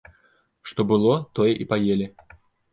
Што было, тое і паелі.